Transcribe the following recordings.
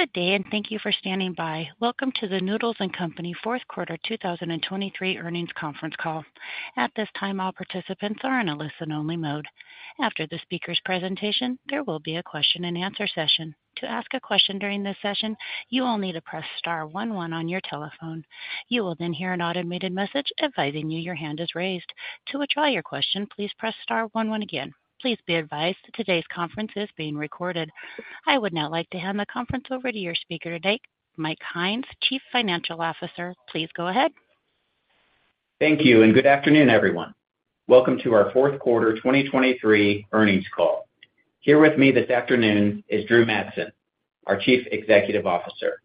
Good day, and thank you for standing by. Welcome to the Noodles & Company fourth quarter 2023 earnings conference call. At this time, all participants are in a listen-only mode. After the speaker's presentation, there will be a question-and-answer session. To ask a question during this session, you will need to press star one one on your telephone. You will then hear an automated message advising you your hand is raised. To withdraw your question, please press star one one again. Please be advised that today's conference is being recorded. I would now like to hand the conference over to your speaker today, Mike Hynes, Chief Financial Officer. Please go ahead. Thank you, and good afternoon, everyone. Welcome to our fourth quarter 2023 earnings call. Here with me this afternoon is Drew Madsen, our Chief Executive Officer.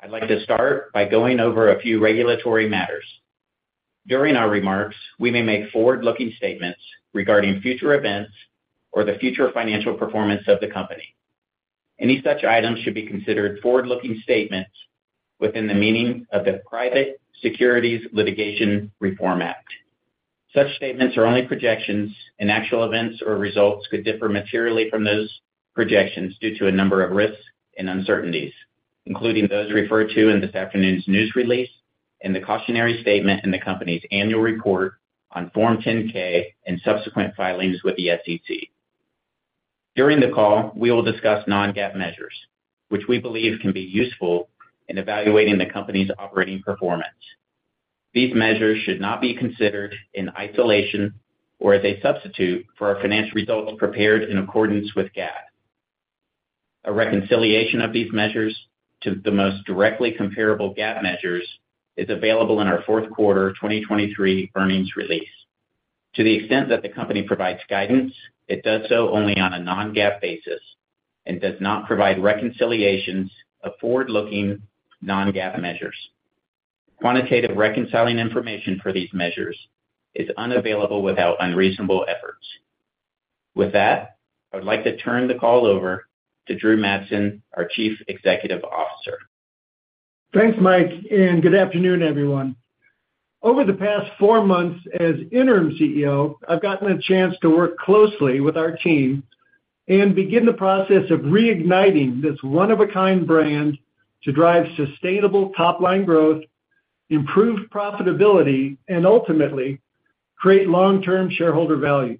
I'd like to start by going over a few regulatory matters. During our remarks, we may make forward-looking statements regarding future events or the future financial performance of the company. Any such items should be considered forward-looking statements within the meaning of the Private Securities Litigation Reform Act. Such statements are only projections, and actual events or results could differ materially from those projections due to a number of risks and uncertainties, including those referred to in this afternoon's news release and the cautionary statement in the company's annual report on Form 10-K and subsequent filings with the SEC. During the call, we will discuss non-GAAP measures, which we believe can be useful in evaluating the company's operating performance. These measures should not be considered in isolation or as a substitute for our financial results prepared in accordance with GAAP. A reconciliation of these measures to the most directly comparable GAAP measures is available in our fourth quarter 2023 earnings release. To the extent that the company provides guidance, it does so only on a non-GAAP basis and does not provide reconciliations of forward-looking non-GAAP measures. Quantitative reconciling information for these measures is unavailable without unreasonable efforts. With that, I would like to turn the call over to Drew Madsen, our Chief Executive Officer. Thanks, Mike, and good afternoon, everyone. Over the past four months as Interim CEO, I've gotten the chance to work closely with our team and begin the process of reigniting this one-of-a-kind brand to drive sustainable top-line growth, improve profitability, and ultimately create long-term shareholder value.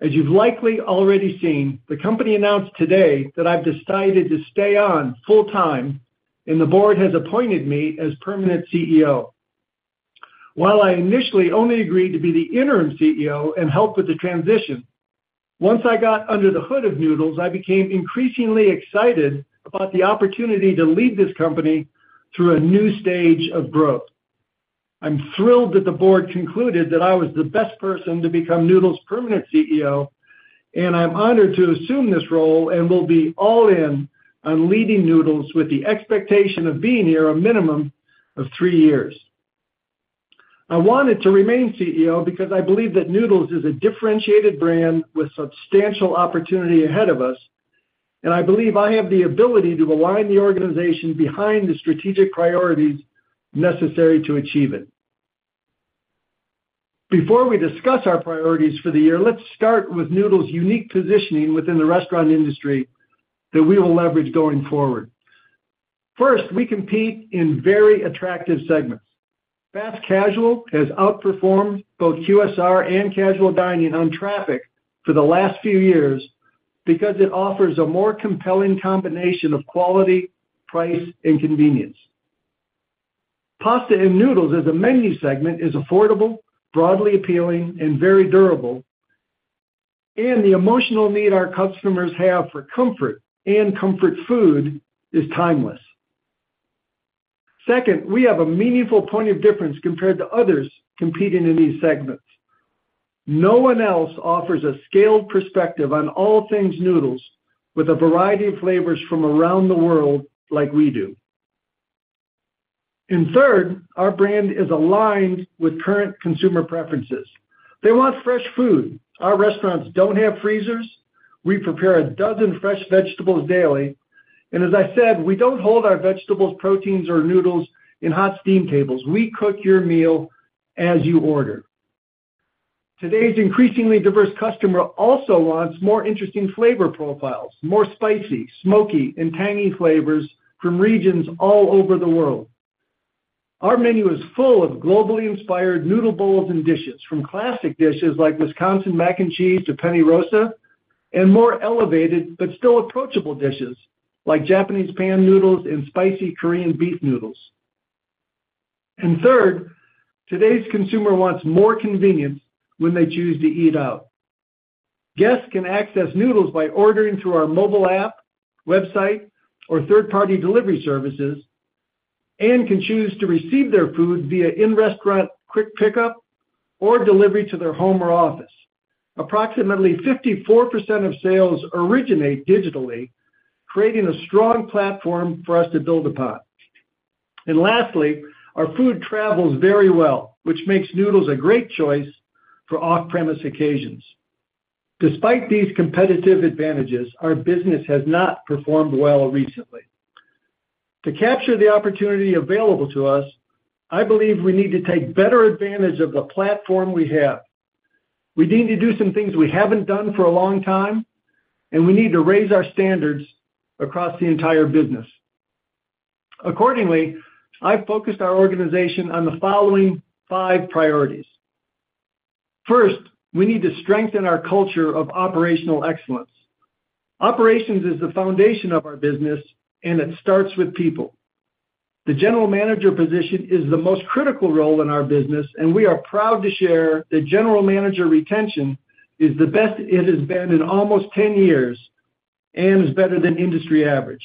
As you've likely already seen, the company announced today that I've decided to stay on full-time, and the board has appointed me as Permanent CEO. While I initially only agreed to be the Interim CEO and help with the transition, once I got under the hood of Noodles, I became increasingly excited about the opportunity to lead this company through a new stage of growth. I'm thrilled that the board concluded that I was the best person to become Noodles' permanent CEO, and I'm honored to assume this role and will be all-in on leading Noodles with the expectation of being here a minimum of three years. I wanted to remain CEO because I believe that Noodles is a differentiated brand with substantial opportunity ahead of us, and I believe I have the ability to align the organization behind the strategic priorities necessary to achieve it. Before we discuss our priorities for the year, let's start with Noodles' unique positioning within the restaurant industry that we will leverage going forward. First, we compete in very attractive segments. Fast Casual has outperformed both QSR and casual dining on traffic for the last few years because it offers a more compelling combination of quality, price, and convenience. Pasta and Noodles, as a menu segment, is affordable, broadly appealing, and very durable, and the emotional need our customers have for comfort and comfort food is timeless. Second, we have a meaningful point of difference compared to others competing in these segments. No one else offers a scaled perspective on all things Noodles with a variety of flavors from around the world like we do. And third, our brand is aligned with current consumer preferences. They want fresh food. Our restaurants don't have freezers. We prepare a dozen fresh vegetables daily. And as I said, we don't hold our vegetables, proteins, or noodles in hot steam tables. We cook your meal as you order. Today's increasingly diverse customer also wants more interesting flavor profiles, more spicy, smoky, and tangy flavors from regions all over the world. Our menu is full of globally inspired noodle bowls and dishes, from classic dishes like Wisconsin Mac & Cheese to Penne Rosa and more elevated but still approachable dishes like Japanese Pan Noodles and Spicy Korean Beef Noodles. And third, today's consumer wants more convenience when they choose to eat out. Guests can access Noodles by ordering through our mobile app, website, or third-party delivery services and can choose to receive their food via in-restaurant quick pickup or delivery to their home or office. Approximately 54% of sales originate digitally, creating a strong platform for us to build upon. And lastly, our food travels very well, which makes Noodles a great choice for off-premise occasions. Despite these competitive advantages, our business has not performed well recently. To capture the opportunity available to us, I believe we need to take better advantage of the platform we have. We need to do some things we haven't done for a long time, and we need to raise our standards across the entire business. Accordingly, I've focused our organization on the following five priorities. First, we need to strengthen our culture of operational excellence. Operations is the foundation of our business, and it starts with people. The general manager position is the most critical role in our business, and we are proud to share that general manager retention is the best it has been in almost 10 years and is better than industry average.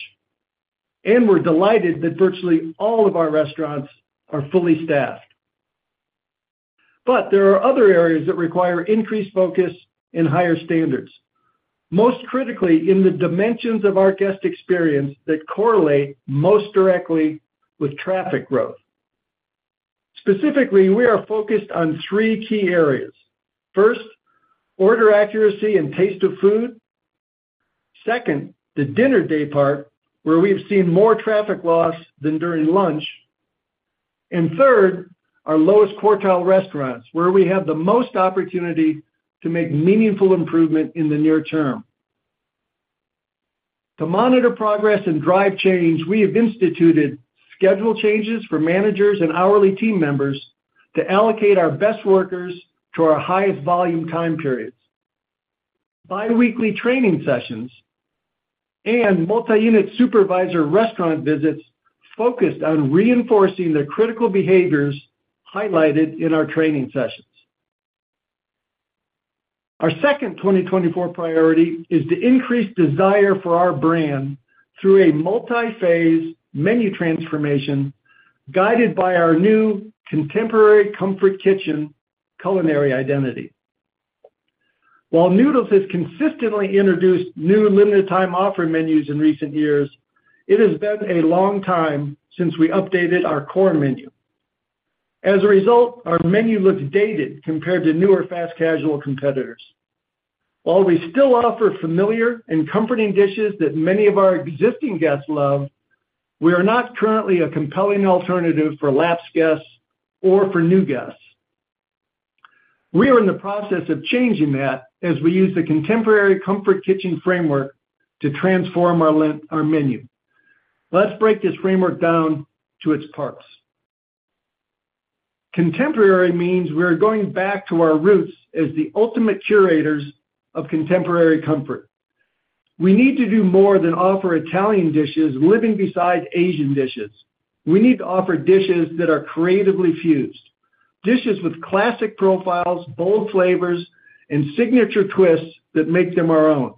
We're delighted that virtually all of our restaurants are fully staffed. But there are other areas that require increased focus and higher standards, most critically in the dimensions of our guest experience that correlate most directly with traffic growth. Specifically, we are focused on three key areas. First, order accuracy and taste of food. Second, the dinner day part, where we've seen more traffic loss than during lunch. Third, our lowest quartile restaurants, where we have the most opportunity to make meaningful improvement in the near term. To monitor progress and drive change, we have instituted schedule changes for managers and hourly team members to allocate our best workers to our highest volume time periods, biweekly training sessions, and multi-unit supervisor restaurant visits focused on reinforcing the critical behaviors highlighted in our training sessions. Our second 2024 priority is to increase desire for our brand through a multi-phase menu transformation guided by our new Contemporary Comfort Kitchen culinary identity. While Noodles has consistently introduced new limited-time offer menus in recent years, it has been a long time since we updated our core menu. As a result, our menu looks dated compared to newer Fast Casual competitors. While we still offer familiar and comforting dishes that many of our existing guests love, we are not currently a compelling alternative for lapsed guests or for new guests. We are in the process of changing that as we use the Contemporary Comfort Kitchen framework to transform our menu. Let's break this framework down to its parts. Contemporary means we're going back to our roots as the ultimate curators of contemporary comfort. We need to do more than offer Italian dishes living beside Asian dishes. We need to offer dishes that are creatively fused, dishes with classic profiles, bold flavors, and signature twists that make them our own.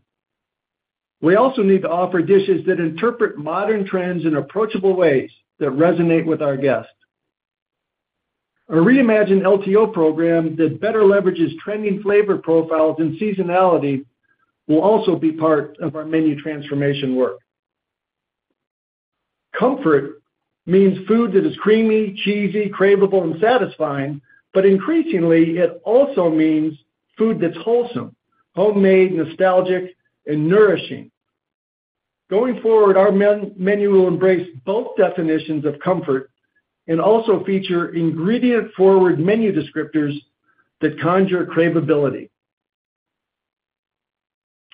We also need to offer dishes that interpret modern trends in approachable ways that resonate with our guests. A reimagined LTO program that better leverages trending flavor profiles and seasonality will also be part of our menu transformation work. Comfort means food that is creamy, cheesy, cravable, and satisfying, but increasingly, it also means food that's wholesome, homemade, nostalgic, and nourishing. Going forward, our menu will embrace both definitions of comfort and also feature ingredient-forward menu descriptors that conjure cravability.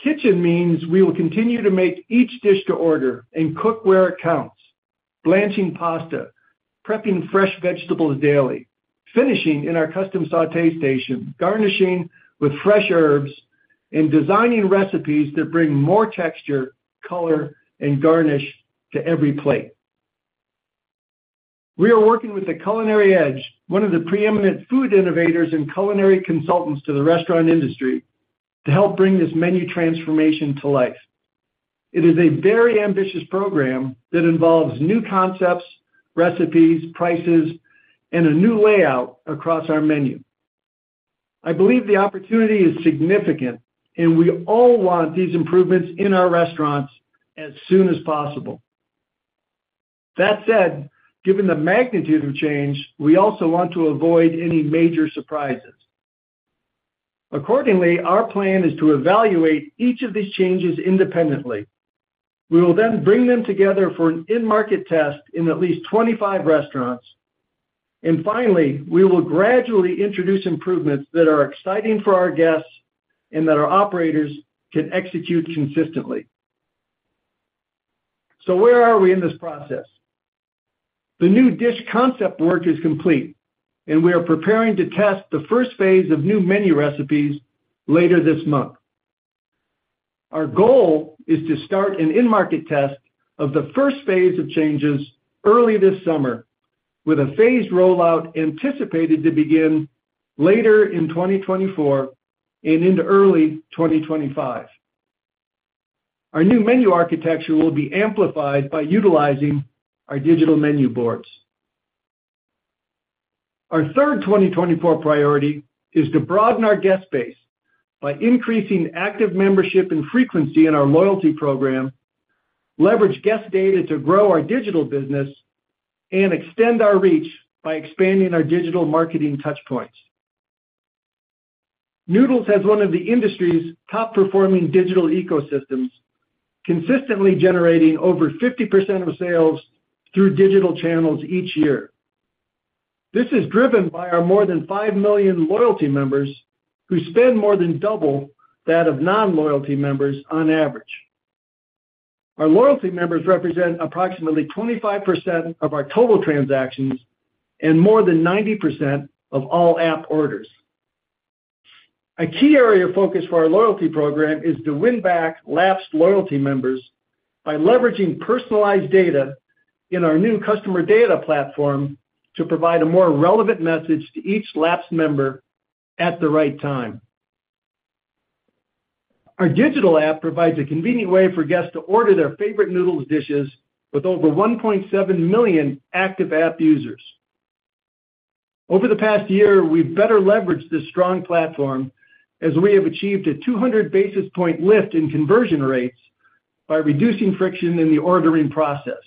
Kitchen means we will continue to make each dish to order and cook where it counts, blanching pasta, prepping fresh vegetables daily, finishing in our custom sauté station, garnishing with fresh herbs, and designing recipes that bring more texture, color, and garnish to every plate. We are working with The Culinary Edge, one of the preeminent food innovators and culinary consultants to the restaurant industry, to help bring this menu transformation to life. It is a very ambitious program that involves new concepts, recipes, prices, and a new layout across our menu. I believe the opportunity is significant, and we all want these improvements in our restaurants as soon as possible. That said, given the magnitude of change, we also want to avoid any major surprises. Accordingly, our plan is to evaluate each of these changes independently. We will then bring them together for an in-market test in at least 25 restaurants. And finally, we will gradually introduce improvements that are exciting for our guests and that our operators can execute consistently. So where are we in this process? The new dish concept work is complete, and we are preparing to test the first phase of new menu recipes later this month. Our goal is to start an in-market test of the first phase of changes early this summer with a phased rollout anticipated to begin later in 2024 and into early 2025. Our new menu architecture will be amplified by utilizing our digital menu boards. Our third 2024 priority is to broaden our guest base by increasing active membership and frequency in our loyalty program, leverage guest data to grow our digital business, and extend our reach by expanding our digital marketing touchpoints. Noodles has one of the industry's top-performing digital ecosystems, consistently generating over 50% of sales through digital channels each year. This is driven by our more than 5 million loyalty members who spend more than double that of non-loyalty members on average. Our loyalty members represent approximately 25% of our total transactions and more than 90% of all app orders. A key area of focus for our loyalty program is to win back lapsed loyalty members by leveraging personalized data in our new customer data platform to provide a more relevant message to each lapsed member at the right time. Our digital app provides a convenient way for guests to order their favorite Noodles dishes with over 1.7 million active app users. Over the past year, we've better leveraged this strong platform as we have achieved a 200 basis point lift in conversion rates by reducing friction in the ordering process.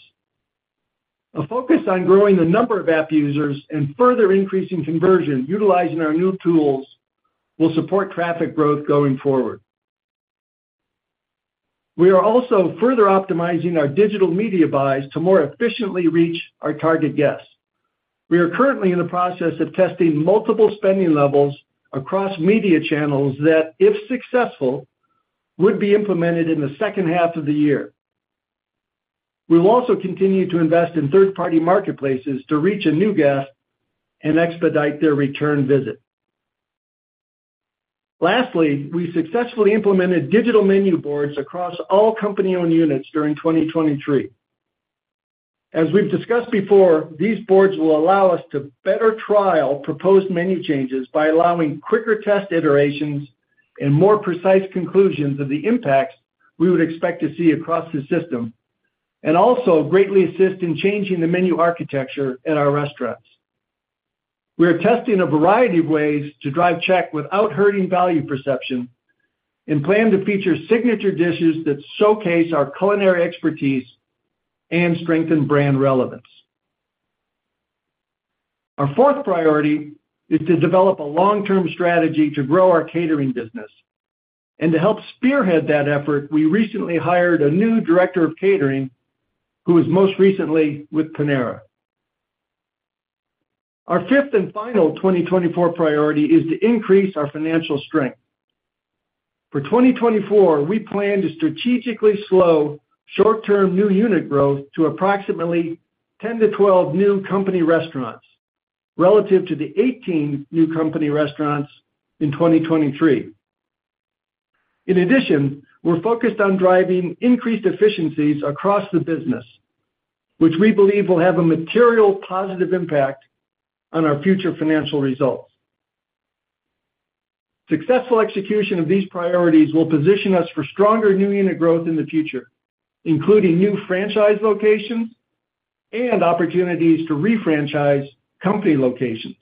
A focus on growing the number of app users and further increasing conversion utilizing our new tools will support traffic growth going forward. We are also further optimizing our digital media buys to more efficiently reach our target guests. We are currently in the process of testing multiple spending levels across media channels that, if successful, would be implemented in the second half of the year. We will also continue to invest in third-party marketplaces to reach a new guest and expedite their return visit. Lastly, we successfully implemented digital menu boards across all company-owned units during 2023. As we've discussed before, these boards will allow us to better trial proposed menu changes by allowing quicker test iterations and more precise conclusions of the impacts we would expect to see across the system, and also greatly assist in changing the menu architecture at our restaurants. We are testing a variety of ways to drive check without hurting value perception and plan to feature signature dishes that showcase our culinary expertise and strengthen brand relevance. Our fourth priority is to develop a long-term strategy to grow our catering business. To help spearhead that effort, we recently hired a new director of catering who is most recently with Panera. Our fifth and final 2024 priority is to increase our financial strength. For 2024, we plan to strategically slow short-term new unit growth to approximately 10-12 new company restaurants relative to the 18 new company restaurants in 2023. In addition, we're focused on driving increased efficiencies across the business, which we believe will have a material positive impact on our future financial results. Successful execution of these priorities will position us for stronger new unit growth in the future, including new franchise locations and opportunities to refranchise company locations.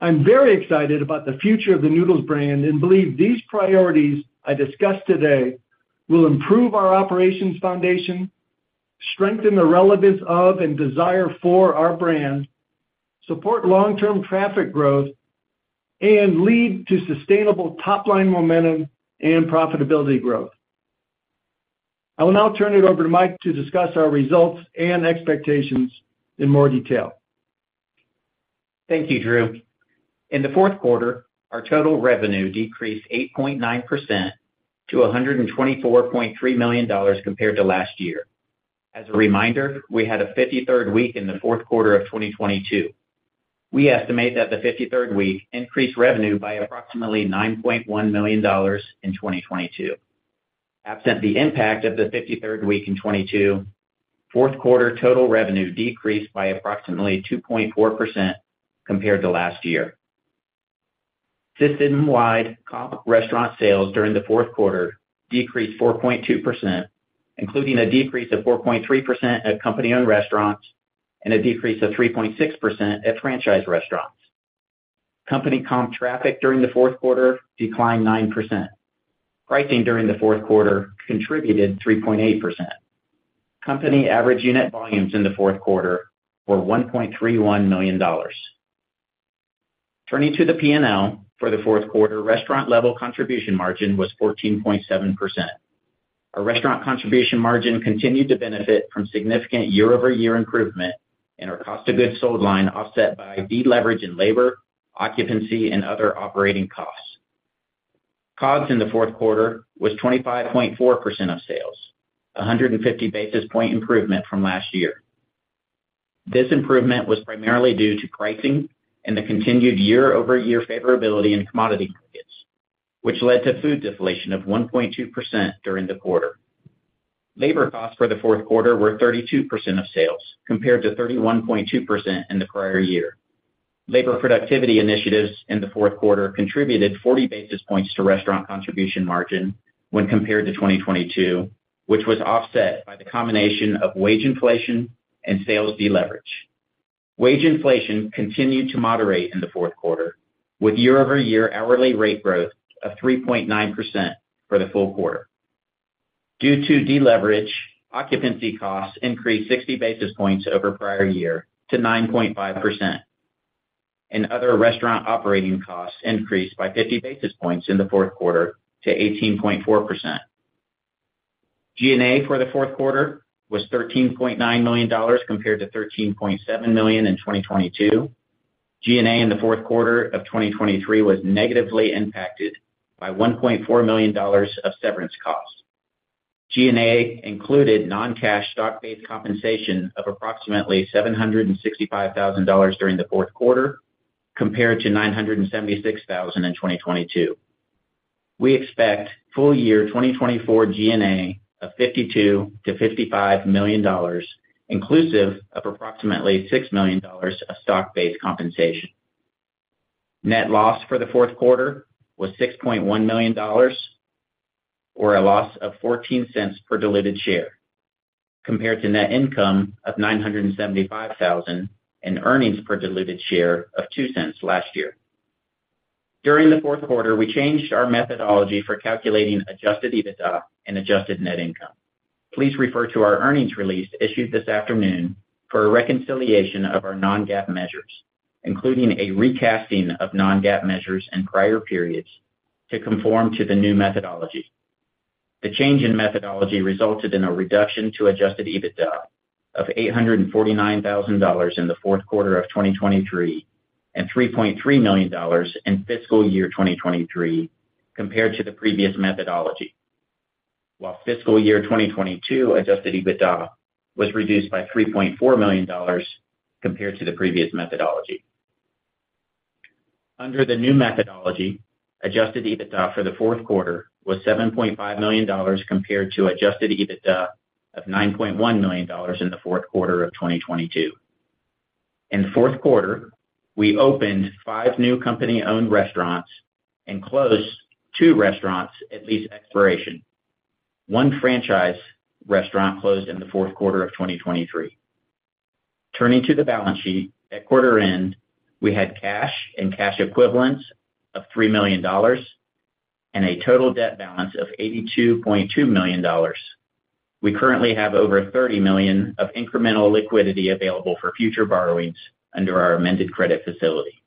I'm very excited about the future of the Noodles brand and believe these priorities I discussed today will improve our operations foundation, strengthen the relevance of and desire for our brand, support long-term traffic growth, and lead to sustainable top-line momentum and profitability growth. I will now turn it over to Mike to discuss our results and expectations in more detail. Thank you, Drew. In the fourth quarter, our total revenue decreased 8.9% to $124.3 million compared to last year. As a reminder, we had a 53rd week in the fourth quarter of 2022. We estimate that the 53rd week increased revenue by approximately $9.1 million in 2022. Absent the impact of the 53rd week in 2022, fourth quarter total revenue decreased by approximately 2.4% compared to last year. System-wide comp restaurant sales during the fourth quarter decreased 4.2%, including a decrease of 4.3% at company-owned restaurants and a decrease of 3.6% at franchise restaurants. Company comp traffic during the fourth quarter declined 9%. Pricing during the fourth quarter contributed 3.8%. Company average unit volumes in the fourth quarter were $1.31 million. Turning to the P&L for the fourth quarter, restaurant-level contribution margin was 14.7%. Our restaurant contribution margin continued to benefit from significant year-over-year improvement and our cost of goods sold line, offset by de-leverage in labor, occupancy, and other operating costs. COGS in the fourth quarter was 25.4% of sales, a 150 basis point improvement from last year. This improvement was primarily due to pricing and the continued year-over-year favorability in commodity markets, which led to food deflation of 1.2% during the quarter. Labor costs for the fourth quarter were 32% of sales compared to 31.2% in the prior year. Labor productivity initiatives in the fourth quarter contributed 40 basis points to restaurant contribution margin when compared to 2022, which was offset by the combination of wage inflation and sales de-leverage. Wage inflation continued to moderate in the fourth quarter, with year-over-year hourly rate growth of 3.9% for the full quarter. Due to de-leverage, occupancy costs increased 60 basis points over prior year to 9.5%, and other restaurant operating costs increased by 50 basis points in the fourth quarter to 18.4%. G&A for the fourth quarter was $13.9 million compared to $13.7 million in 2022. G&A in the fourth quarter of 2023 was negatively impacted by $1.4 million of severance costs. G&A included non-cash stock-based compensation of approximately $765,000 during the fourth quarter compared to $976,000 in 2022. We expect full-year 2024 G&A of $52-$55 million, inclusive of approximately $6 million of stock-based compensation. Net loss for the fourth quarter was $6.1 million, or a loss of $0.14 per diluted share compared to net income of $975,000 and earnings per diluted share of $0.02 last year. During the fourth quarter, we changed our methodology for calculating adjusted EBITDA and adjusted net income. Please refer to our earnings release issued this afternoon for a reconciliation of our non-GAAP measures, including a recasting of non-GAAP measures and prior periods to conform to the new methodology. The change in methodology resulted in a reduction to Adjusted EBITDA of $849,000 in the fourth quarter of 2023 and $3.3 million in fiscal year 2023 compared to the previous methodology, while fiscal year 2022 Adjusted EBITDA was reduced by $3.4 million compared to the previous methodology. Under the new methodology, Adjusted EBITDA for the fourth quarter was $7.5 million compared to Adjusted EBITDA of $9.1 million in the fourth quarter of 2022. In the fourth quarter, we opened 5 new company-owned restaurants and closed 2 restaurants at lease expiration. One franchise restaurant closed in the fourth quarter of 2023. Turning to the balance sheet, at quarter end, we had cash and cash equivalents of $3 million and a total debt balance of $82.2 million. We currently have over $30 million of incremental liquidity available for future borrowings under our amended credit facility.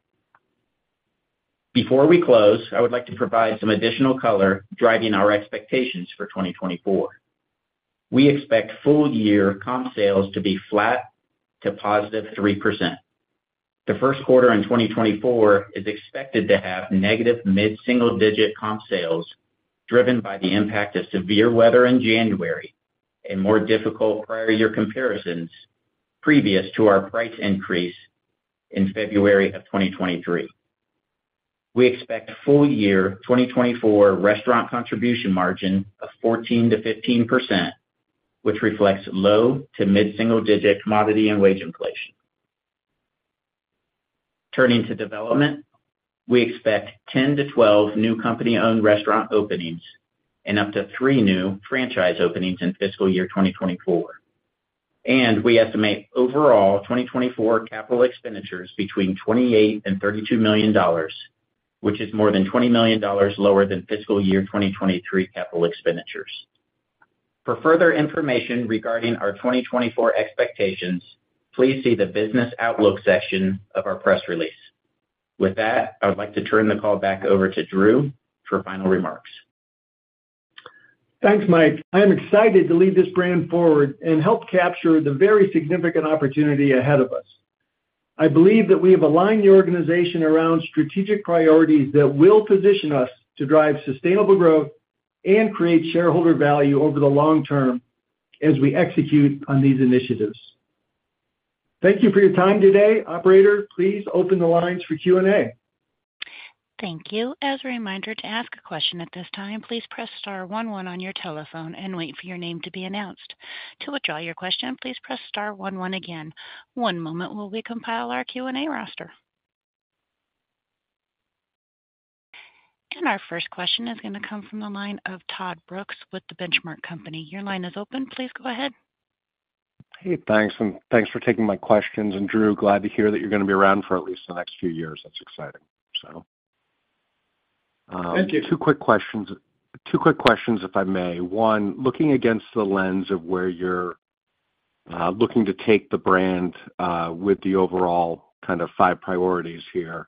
Before we close, I would like to provide some additional color driving our expectations for 2024. We expect full-year comp sales to be flat to +3%. The first quarter in 2024 is expected to have negative mid-single-digit comp sales driven by the impact of severe weather in January and more difficult prior-year comparisons previous to our price increase in February of 2023. We expect full-year 2024 restaurant contribution margin of 14%-15%, which reflects low to mid-single-digit commodity and wage inflation. Turning to development, we expect 10-12 new company-owned restaurant openings and up to three new franchise openings in fiscal year 2024. We estimate overall 2024 capital expenditures between $28-$32 million, which is more than $20 million lower than fiscal year 2023 capital expenditures. For further information regarding our 2024 expectations, please see the business outlook section of our press release. With that, I would like to turn the call back over to Drew for final remarks. Thanks, Mike. I am excited to lead this brand forward and help capture the very significant opportunity ahead of us. I believe that we have aligned the organization around strategic priorities that will position us to drive sustainable growth and create shareholder value over the long term as we execute on these initiatives. Thank you for your time today. Operator, please open the lines for Q&A. Thank you. As a reminder, to ask a question at this time, please press star one one on your telephone and wait for your name to be announced. To withdraw your question, please press star one one again. One moment while we compile our Q&A roster. Our first question is going to come from the line of Todd Brooks with The Benchmark Company. Your line is open. Please go ahead. Hey, thanks. Thanks for taking my questions. Drew, glad to hear that you're going to be around for at least the next few years. That's exciting, so. Thank you. Two quick questions, if I may. One, looking against the lens of where you're looking to take the brand with the overall kind of five priorities here,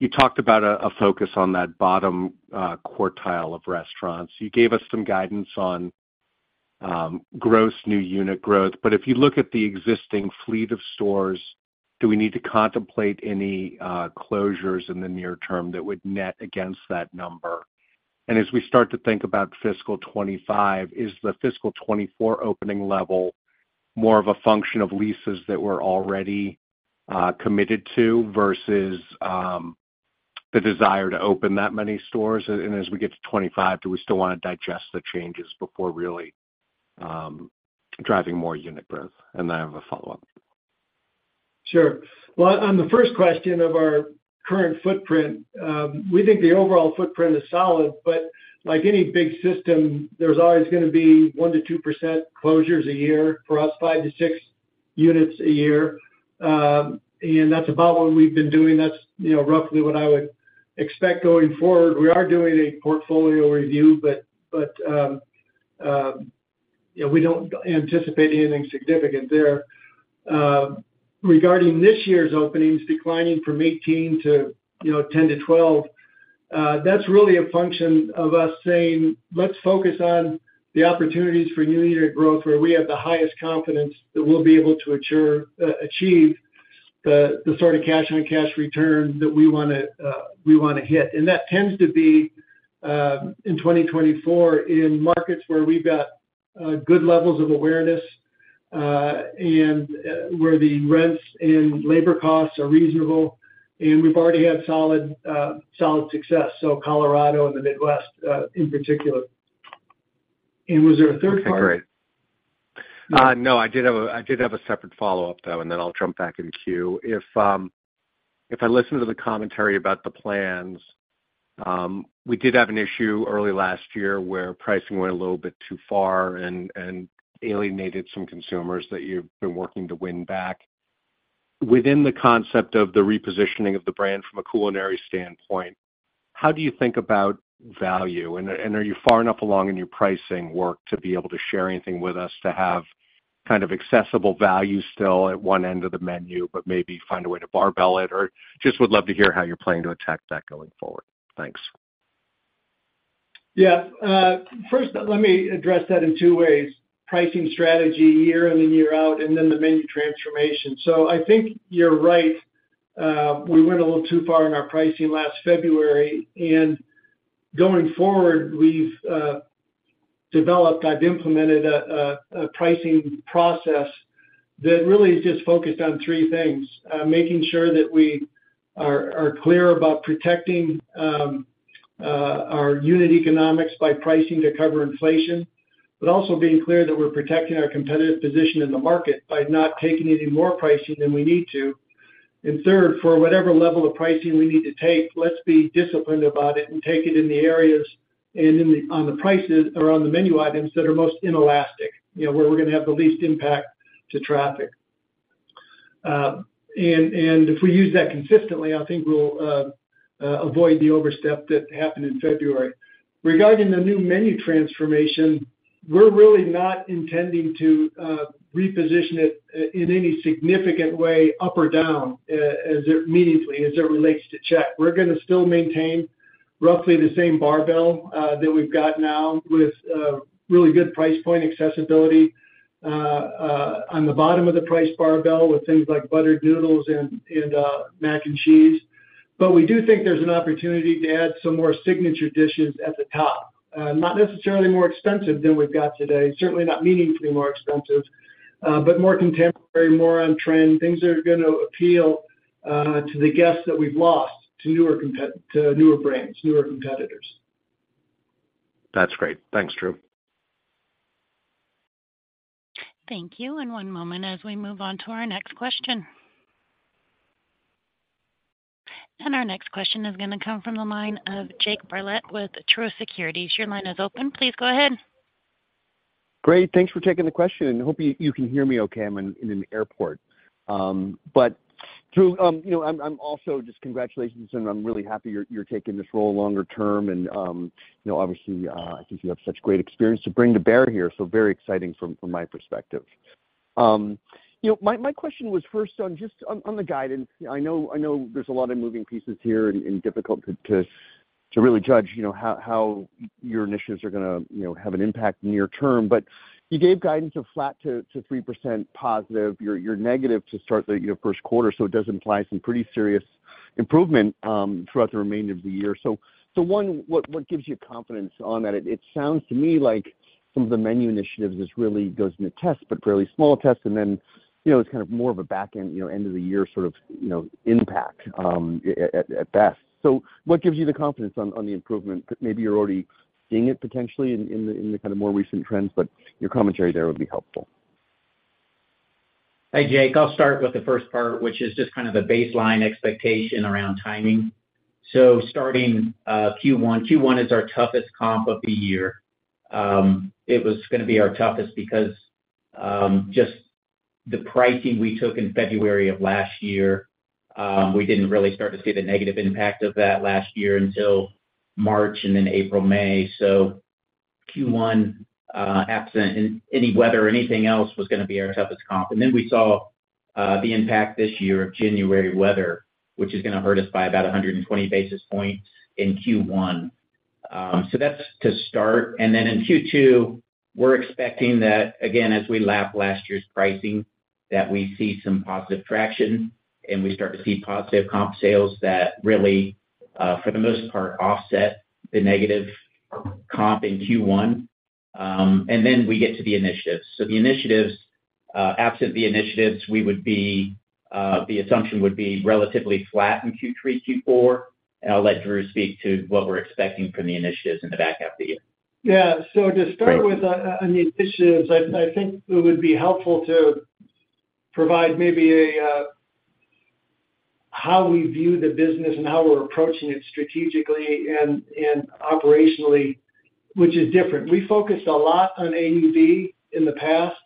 you talked about a focus on that bottom quartile of restaurants. You gave us some guidance on gross new unit growth. But if you look at the existing fleet of stores, do we need to contemplate any closures in the near term that would net against that number? And as we start to think about fiscal 2025, is the fiscal 2024 opening level more of a function of leases that we're already committed to versus the desire to open that many stores? And as we get to 2025, do we still want to digest the changes before really driving more unit growth? And then I have a follow-up. Sure. Well, on the first question of our current footprint, we think the overall footprint is solid. But like any big system, there's always going to be 1%-2% closures a year for us, five to six units a year. And that's about what we've been doing. That's roughly what I would expect going forward. We are doing a portfolio review, but we don't anticipate anything significant there. Regarding this year's openings, declining from 18 to 10 to 12, that's really a function of us saying, "Let's focus on the opportunities for new unit growth where we have the highest confidence that we'll be able to achieve the sort of cash-on-cash return that we want to hit." And that tends to be in 2024 in markets where we've got good levels of awareness and where the rents and labor costs are reasonable, and we've already had solid success, so Colorado and the Midwest in particular. And was there a third part? Okay. Great. No, I did have a separate follow-up, though, and then I'll jump back in queue. If I listened to the commentary about the plans, we did have an issue early last year where pricing went a little bit too far and alienated some consumers that you've been working to win back. Within the concept of the repositioning of the brand from a culinary standpoint, how do you think about value? And are you far enough along in your pricing work to be able to share anything with us to have kind of accessible value still at one end of the menu, but maybe find a way to barbell it? Or just would love to hear how you're planning to attack that going forward. Thanks. Yeah. First, let me address that in two ways: pricing strategy year in and year out, and then the menu transformation. So I think you're right. We went a little too far in our pricing last February. And going forward, we've implemented a pricing process that really is just focused on three things: making sure that we are clear about protecting our unit economics by pricing to cover inflation, but also being clear that we're protecting our competitive position in the market by not taking any more pricing than we need to. And third, for whatever level of pricing we need to take, let's be disciplined about it and take it in the areas and on the prices or on the menu items that are most inelastic, where we're going to have the least impact to traffic. If we use that consistently, I think we'll avoid the overstep that happened in February. Regarding the new menu transformation, we're really not intending to reposition it in any significant way up or down meaningfully as it relates to check. We're going to still maintain roughly the same barbell that we've got now with really good price point accessibility on the bottom of the price barbell with things like Buttered Noodles and Mac and Cheese. But we do think there's an opportunity to add some more signature dishes at the top, not necessarily more expensive than we've got today, certainly not meaningfully more expensive, but more contemporary, more on trend. Things are going to appeal to the guests that we've lost, to newer brands, newer competitors. That's great. Thanks, Drew. Thank you. One moment as we move on to our next question. Our next question is going to come from the line of Jake Bartlett with Truist Securities. Your line is open. Please go ahead. Great. Thanks for taking the question. And I hope you can hear me okay. I'm in an airport. But Drew, I'm also just congratulations, and I'm really happy you're taking this role longer term. And obviously, I think you have such great experience to bring to bear here, so very exciting from my perspective. My question was first just on the guidance. I know there's a lot of moving pieces here and it's difficult to really judge how your initiatives are going to have an impact near term. But you gave guidance of flat to 3% positive. You're negative to start the first quarter, so it does imply some pretty serious improvement throughout the remainder of the year. So one, what gives you confidence on that? It sounds to me like some of the menu initiatives really goes in a test, but fairly small test, and then it's kind of more of a back-end end-of-the-year sort of impact at best. So what gives you the confidence on the improvement? Maybe you're already seeing it potentially in the kind of more recent trends, but your commentary there would be helpful. Hey, Jake. I'll start with the first part, which is just kind of the baseline expectation around timing. So starting Q1, Q1 is our toughest comp of the year. It was going to be our toughest because just the pricing we took in February of last year, we didn't really start to see the negative impact of that last year until March and then April, May. So Q1, absent any weather, anything else was going to be our toughest comp. And then we saw the impact this year of January weather, which is going to hurt us by about 120 basis points in Q1. So that's to start. And then in Q2, we're expecting that, again, as we lap last year's pricing, that we see some positive traction and we start to see positive comp sales that really, for the most part, offset the negative comp in Q1. Then we get to the initiatives. Absent the initiatives, the assumption would be relatively flat in Q3, Q4. I'll let Drew speak to what we're expecting from the initiatives in the back half of the year. Yeah. So to start with, on the initiatives, I think it would be helpful to provide maybe how we view the business and how we're approaching it strategically and operationally, which is different. We focused a lot on AUV in the past,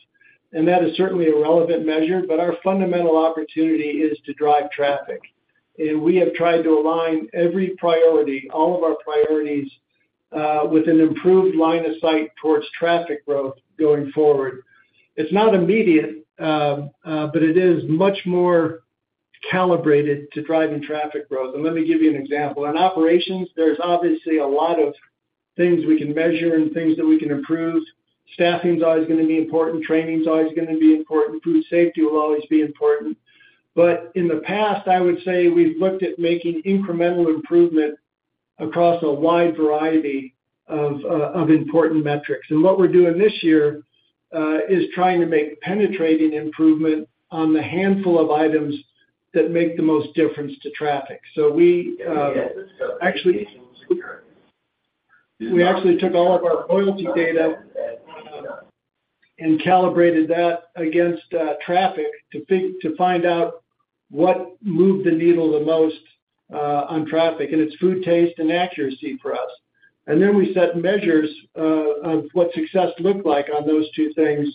and that is certainly a relevant measure. But our fundamental opportunity is to drive traffic. And we have tried to align every priority, all of our priorities, with an improved line of sight towards traffic growth going forward. It's not immediate, but it is much more calibrated to driving traffic growth. And let me give you an example. In operations, there's obviously a lot of things we can measure and things that we can improve. Staffing's always going to be important. Training's always going to be important. Food safety will always be important. But in the past, I would say we've looked at making incremental improvement across a wide variety of important metrics. And what we're doing this year is trying to make penetrating improvement on the handful of items that make the most difference to traffic. So we actually took all of our loyalty data and calibrated that against traffic to find out what moved the needle the most on traffic. And it's food taste and accuracy for us. And then we set measures of what success looked like on those two things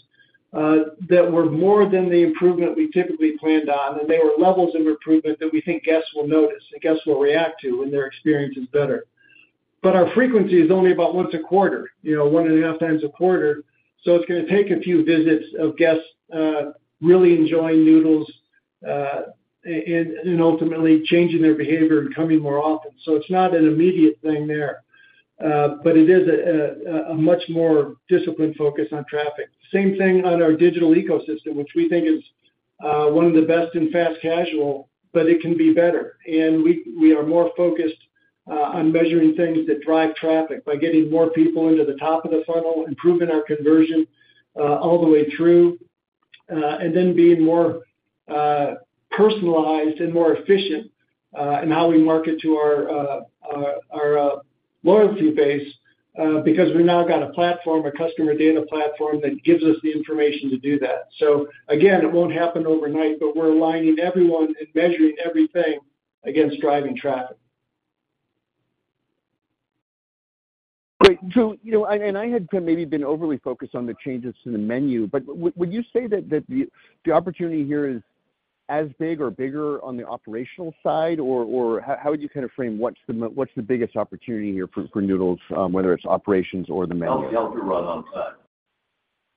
that were more than the improvement we typically planned on. And they were levels of improvement that we think guests will notice and guests will react to when their experience is better. But our frequency is only about once a quarter, 1.5 times a quarter. So it's going to take a few visits of guests really enjoying noodles and ultimately changing their behavior and coming more often. So it's not an immediate thing there, but it is a much more disciplined focus on traffic. Same thing on our digital ecosystem, which we think is one of the best in fast casual, but it can be better. And we are more focused on measuring things that drive traffic by getting more people into the top of the funnel, improving our conversion all the way through, and then being more personalized and more efficient in how we market to our loyalty base because we've now got a platform, a customer data platform, that gives us the information to do that. So again, it won't happen overnight, but we're aligning everyone and measuring everything against driving traffic. Great. Drew, and I had maybe been overly focused on the changes to the menu, but would you say that the opportunity here is as big or bigger on the operational side? Or how would you kind of frame what's the biggest opportunity here for Noodles, whether it's operations or the menu? Help you run on time.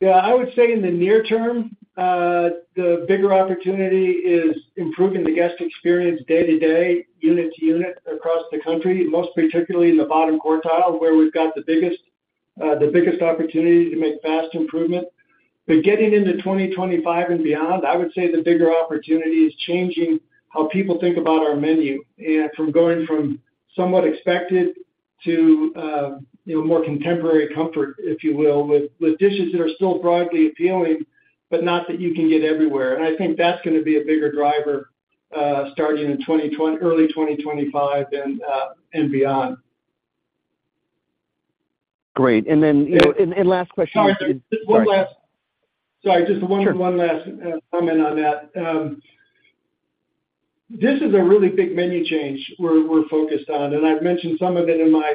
Yeah. I would say in the near term, the bigger opportunity is improving the guest experience day to day, unit to unit across the country, most particularly in the bottom quartile where we've got the biggest opportunity to make fast improvement. But getting into 2025 and beyond, I would say the bigger opportunity is changing how people think about our menu from going from somewhat expected to more contemporary comfort, if you will, with dishes that are still broadly appealing but not that you can get everywhere. And I think that's going to be a bigger driver starting in early 2025 and beyond. Great. And then last question. Sorry. Just one last sorry. Just one last comment on that. This is a really big menu change we're focused on. And I've mentioned some of it in my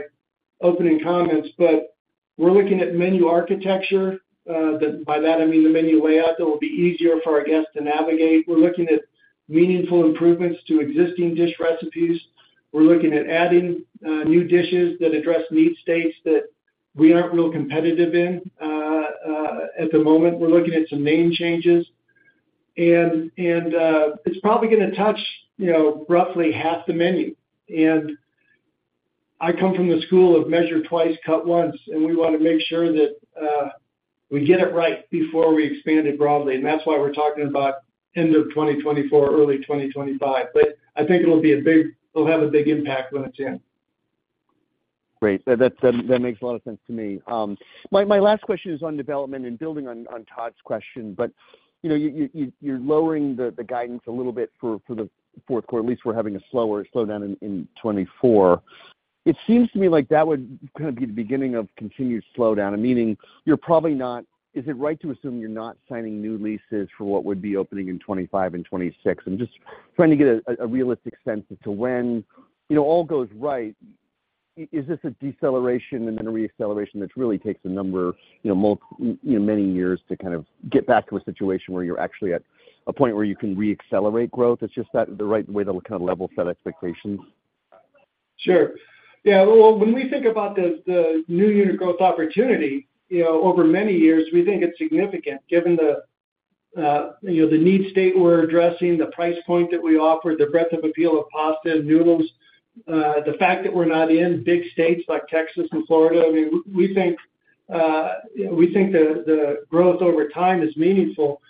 opening comments, but we're looking at menu architecture. By that, I mean the menu layout that will be easier for our guests to navigate. We're looking at meaningful improvements to existing dish recipes. We're looking at adding new dishes that address need states that we aren't really competitive in at the moment. We're looking at some name changes. And it's probably going to touch roughly half the menu. And I come from the school of measure twice, cut once, and we want to make sure that we get it right before we expand it broadly. And that's why we're talking about end of 2024, early 2025. But I think it'll be a big it'll have a big impact when it's in. Great. That makes a lot of sense to me. My last question is on development and building on Todd's question, but you're lowering the guidance a little bit for the fourth quarter. At least we're having a slowdown in 2024. It seems to me like that would kind of be the beginning of continued slowdown, meaning you're probably not is it right to assume you're not signing new leases for what would be opening in 2025 and 2026? I'm just trying to get a realistic sense as to when all goes right, is this a deceleration and then a reacceleration that really takes a number, many years, to kind of get back to a situation where you're actually at a point where you can reaccelerate growth? It's just the right way to kind of level set expectations? Sure. Yeah. Well, when we think about the new unit growth opportunity over many years, we think it's significant given the need state we're addressing, the price point that we offer, the breadth of appeal of pasta and noodles, the fact that we're not in big states like Texas and Florida. I mean, we think the growth over time is meaningful,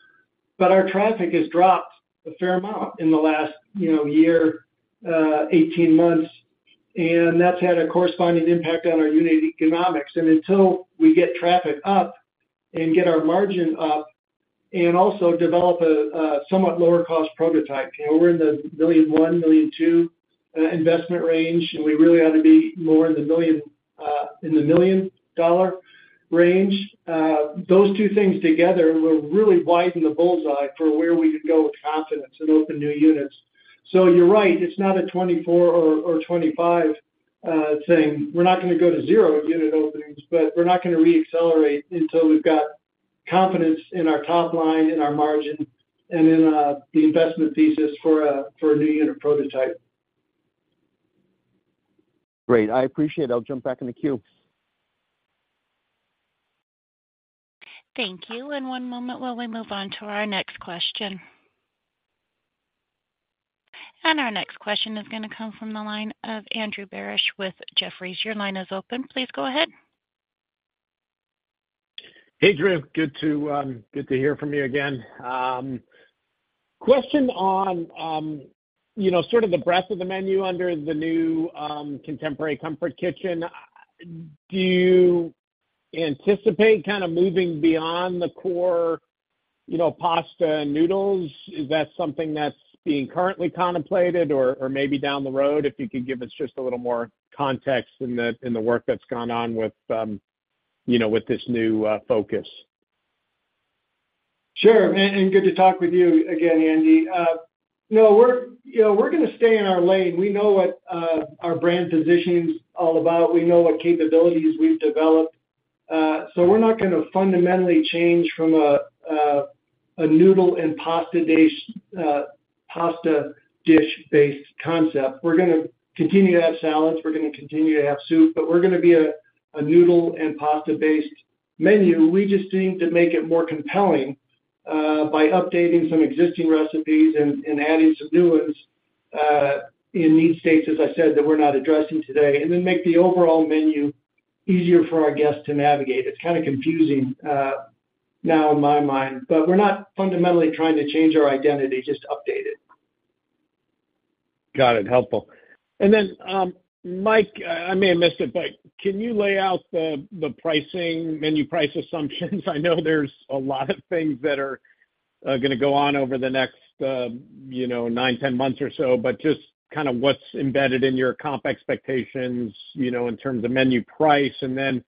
but our traffic has dropped a fair amount in the last year, 18 months, and that's had a corresponding impact on our unit economics. Until we get traffic up and get our margin up and also develop a somewhat lower-cost prototype, we're in the $1.1-$1.2 million investment range, and we really ought to be more in the $1 million range. Those two things together will really widen the bullseye for where we can go with confidence and open new units. So you're right. It's not a 2024 or 2025 thing. We're not going to go to zero unit openings, but we're not going to reaccelerate until we've got confidence in our top line, in our margin, and in the investment thesis for a new unit prototype. Great. I appreciate it. I'll jump back in the queue. Thank you. One moment while we move on to our next question. Our next question is going to come from the line of Andrew Barish with Jefferies. Your line is open. Please go ahead. Hey, Drew. Good to hear from you again. Question on sort of the breadth of the menu under the new Contemporary Comfort Kitchen. Do you anticipate kind of moving beyond the core pasta and noodles? Is that something that's being currently contemplated or maybe down the road if you could give us just a little more context in the work that's gone on with this new focus? Sure. Good to talk with you again, Andy. No, we're going to stay in our lane. We know what our brand positioning's all about. We know what capabilities we've developed. So we're not going to fundamentally change from a noodle and pasta dish-based concept. We're going to continue to have salads. We're going to continue to have soup, but we're going to be a noodle and pasta-based menu. We just need to make it more compelling by updating some existing recipes and adding some new ones in need states, as I said, that we're not addressing today, and then make the overall menu easier for our guests to navigate. It's kind of confusing now in my mind, but we're not fundamentally trying to change our identity, just update it. Got it. Helpful. And then, Mike, I may have missed it, but can you lay out the menu price assumptions? I know there's a lot of things that are going to go on over the next nine, 10 months or so, but just kind of what's embedded in your comp expectations in terms of menu price. And then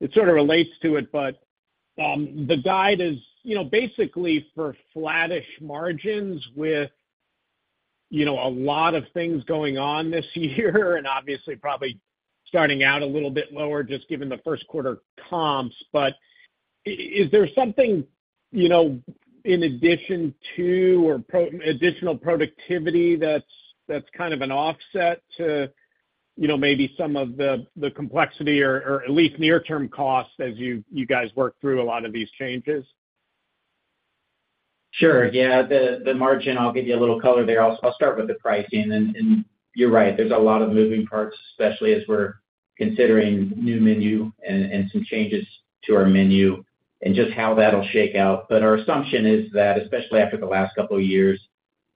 it sort of relates to it, but the guide is basically for flat-ish margins with a lot of things going on this year and obviously probably starting out a little bit lower just given the first quarter comps. But is there something in addition to or additional productivity that's kind of an offset to maybe some of the complexity or at least near-term cost as you guys work through a lot of these changes? Sure. Yeah. The margin, I'll give you a little color there. I'll start with the pricing. And you're right. There's a lot of moving parts, especially as we're considering new menu and some changes to our menu and just how that'll shake out. But our assumption is that, especially after the last couple of years,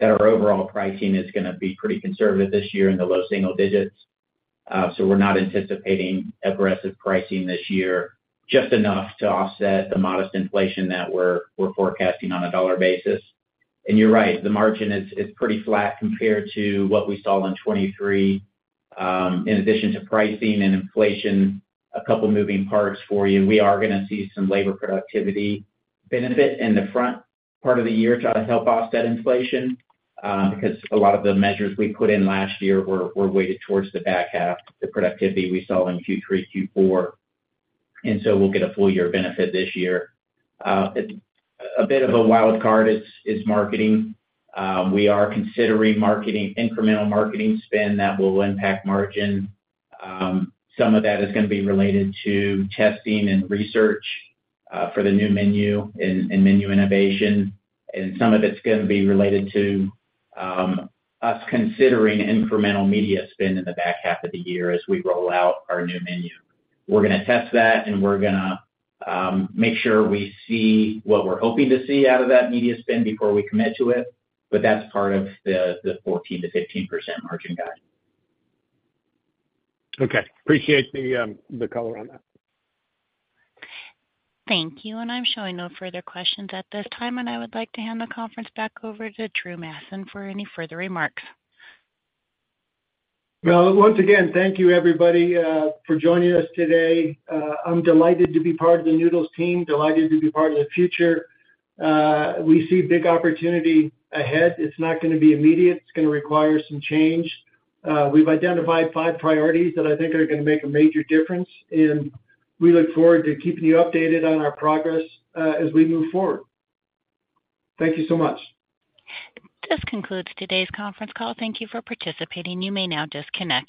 that our overall pricing is going to be pretty conservative this year in the low single digits. So we're not anticipating aggressive pricing this year, just enough to offset the modest inflation that we're forecasting on a dollar basis. And you're right. The margin is pretty flat compared to what we saw in 2023. In addition to pricing and inflation, a couple of moving parts for you, we are going to see some labor productivity benefit in the front part of the year to help offset inflation because a lot of the measures we put in last year were weighted towards the back half, the productivity we saw in Q3, Q4. And so we'll get a full-year benefit this year. A bit of a wild card is marketing. We are considering incremental marketing spend that will impact margin. Some of that is going to be related to testing and research for the new menu and menu innovation. And some of it's going to be related to us considering incremental media spend in the back half of the year as we roll out our new menu. We're going to test that, and we're going to make sure we see what we're hoping to see out of that media spend before we commit to it. That's part of the 14%-15% margin guide. Okay. Appreciate the color on that. Thank you. I'm showing no further questions at this time, and I would like to hand the conference back over to Drew Madsen for any further remarks. Well, once again, thank you, everybody, for joining us today. I'm delighted to be part of the Noodles team, delighted to be part of the future. We see big opportunity ahead. It's not going to be immediate. It's going to require some change. We've identified five priorities that I think are going to make a major difference. And we look forward to keeping you updated on our progress as we move forward. Thank you so much. This concludes today's conference call. Thank you for participating. You may now disconnect.